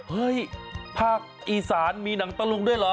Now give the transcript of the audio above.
เฮ้ยภาคอีสานมีหนังตะลุงด้วยเหรอ